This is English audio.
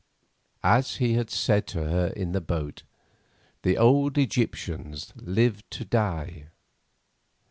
As he had said to her in the boat, the old Egyptians lived to die.